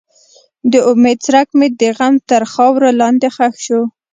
د امید څرک مې د غم تر خاورو لاندې ښخ شو.